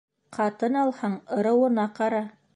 Ҡатын алһаң, ырыуына ҡара.